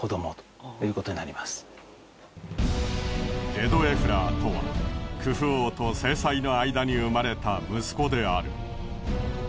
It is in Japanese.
ジェドエフラーとはクフ王と正妻の間に生まれた息子である。